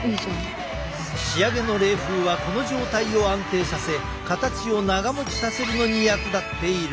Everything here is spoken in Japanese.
仕上げの冷風はこの状態を安定させ形を長もちさせるのに役立っている。